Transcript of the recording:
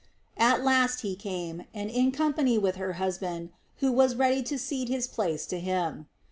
At last he came, and in company with her husband, who was ready to cede his place to him.